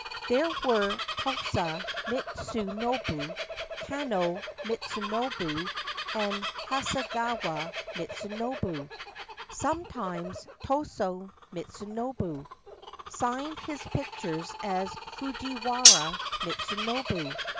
There were Tosa Mitsunobu, Kano Mitsunobu, and Hasegawa Mitsunobu j some times Tosa Mitsunobu signed his pictures as Fujiwara Mitsunobu.